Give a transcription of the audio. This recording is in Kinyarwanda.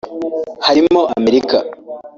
harimo America